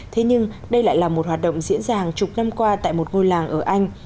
thế nhưng đây lại là một hoạt động diễn ra hàng chục năm qua tại một ngôi làng ở anh